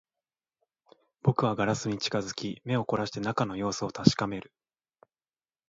僕はガラスに近づき、目を凝らして中の様子を確かめる